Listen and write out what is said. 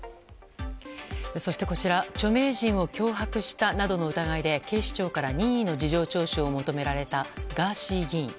こちら著名人を脅迫したなどの疑いで警視庁から任意の事情聴取を求められたガーシー議員。